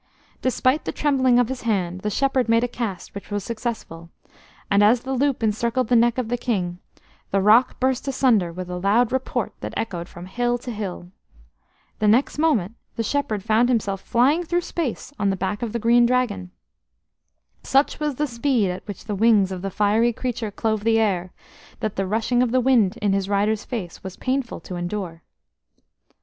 Despite the trembling of his hand, the shepherd made a cast which was successful, and as the loop encircled the neck of the King, the rock burst asunder with a loud report that echoed from hill to hill. The next moment the shepherd found himself flying through space on the back of the Green Dragon. Such was the speed at which the wings of the fiery creature clove the air that the rushing of the wind in his rider's face was painful to endure.